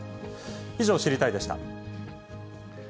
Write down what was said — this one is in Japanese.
以上、知りたいッ！でした。